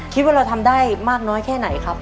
คิดว่าเราทำได้มากน้อยแค่ไหนครับ